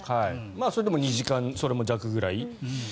それでも２時間弱ぐらい。